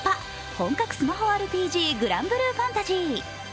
本格スマホＲＰＧ「グランブルーファンタジー」。